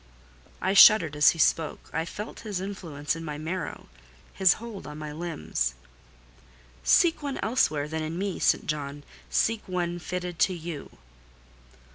I shuddered as he spoke: I felt his influence in my marrow—his hold on my limbs. "Seek one elsewhere than in me, St. John: seek one fitted to you."